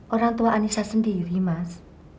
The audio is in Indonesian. orang tua anissa sendiri mas